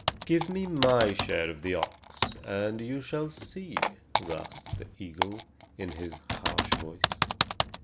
"Give me my share of the ox, and you shall see," rasped the eagle, in his harsh voice.